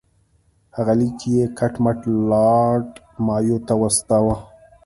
هغه لیک یې کټ مټ لارډ مایو ته واستاوه.